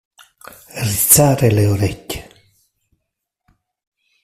Rizzare le orecchie.